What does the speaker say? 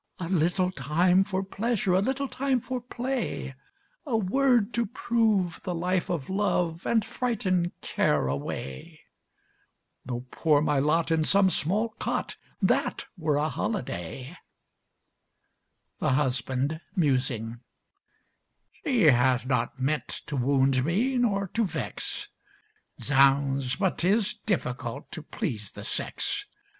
A little time for pleasure, A little time for play; A word to prove the life of love And frighten Care away! Tho' poor my lot in some small cot That were a holiday. THE HUSBAND (musing) She has not meant to wound me, nor to vex Zounds! but 'tis difficult to please the sex.